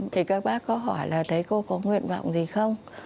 thì các bác có hỏi là thấy cô có nguyện vọng gì không